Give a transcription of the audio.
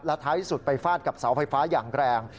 และท้ายที่สุดไปฟาดกับเสาไฟฟ้าอย่างแกร่ง